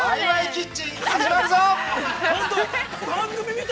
キッチン始まるぞ！